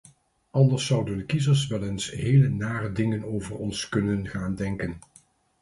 Anders zouden de kiezers wel eens heel nare dingen over ons kunnen gaan denken.